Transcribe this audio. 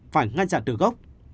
phải ngăn chặn từ gốc